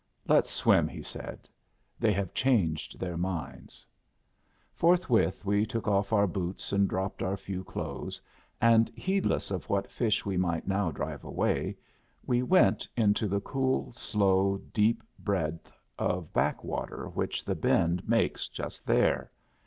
"Let's swim," he said. "They have changed their minds." Forthwith we shook off our boots and dropped our few clothes, and heedless of what fish we might now drive away, we went into the cool, slow, deep breadth of backwater which the bend makes just there.